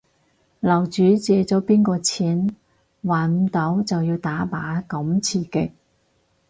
樓主借咗邊個錢？還唔到就要打靶咁刺激